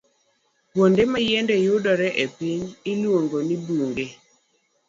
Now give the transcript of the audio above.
Kuonde ma yiende yudore e piny, iluongogi ni bunge